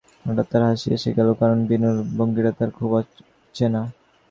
হঠাৎ তার হাসি এসে গেল, কারণ বিনূর ভঙ্গিটা তার খুব চেনা।